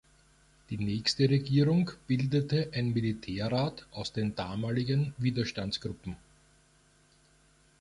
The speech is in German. Die nächste Regierung bildete ein Militärrat aus den damaligen Widerstandsgruppen.